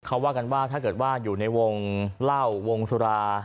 เขาว่ากันว่าถ้าเกิดว่าอยู่ในวงเล่าวงสุรา